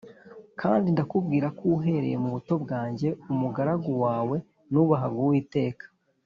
kandi ndakubwira ko uhereye mu buto bwanjye umugaragu wawe nubahaga Uwiteka